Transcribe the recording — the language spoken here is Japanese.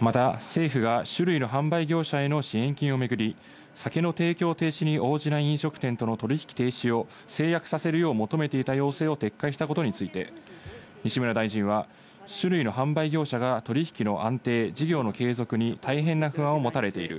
また政府が酒類の販売業者への支援金をめぐり、酒の提供停止に応じない飲食店との取引停止を誓約させるよう求めていた要請を撤回したことについて、西村大臣は酒類の販売業者が取引の安定・事業の継続に大変な不安を持たれている。